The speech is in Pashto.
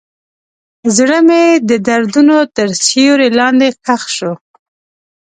زړه مې د دردونو تر سیوري لاندې ښخ شو.